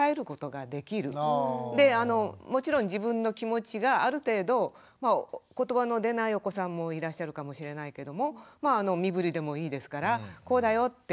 であのもちろん自分の気持ちがある程度言葉の出ないお子さんもいらっしゃるかもしれないけどもまああの身ぶりでもいいですからこうだよって伝えることができる。